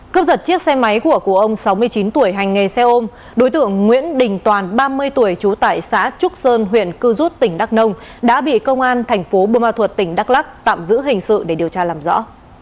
cướp giật chiếc xe máy của cụ ông sáu mươi chín tuổi hành nghề xe ôm đối tượng nguyễn đình toàn ba mươi tuổi trú tại xã trúc sơn huyện cư rút tỉnh đắk nông đã bị công an thành phố bô ma thuật tỉnh đắk lắc tạm giữ hình sự để điều tra làm rõ